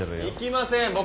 行きません！